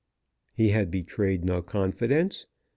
He had betrayed no confidence.